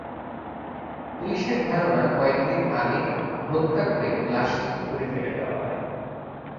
পুলিশের ধারণা, কয়েক দিন আগে হত্যা করে লাশটি পুকুরে ফেলে দেওয়া হয়।